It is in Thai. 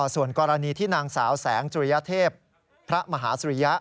ส่วนกรณีที่นางสาวแสงจุริยเทพพระมหาสุริยะ